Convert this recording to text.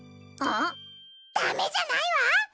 あっダメじゃないわ！